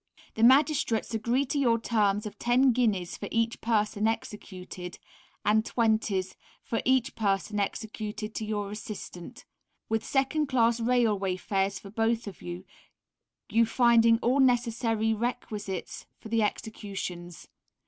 The Magistrates agree to your terms of ten guineas for each person executed and 20s. for each person executed to your Assistant, with second class railway fares for both of you, you finding all necessary requisites for the Executions.